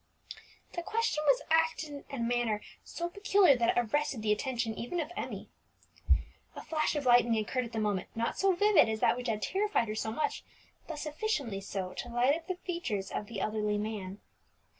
The question was asked in a manner so peculiar that it arrested the attention even of Emmie. A flash of lightning occurred at the moment, not so vivid as that which had terrified her so much, but sufficiently so to light up the features of the elderly man.